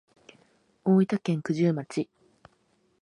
大分県九重町